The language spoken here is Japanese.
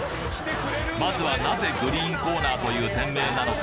まずはなぜグリーンコーナーという店名なのか